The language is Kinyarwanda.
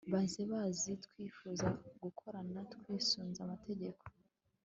baze bazi ko twifuza gukorana twisunze amategeko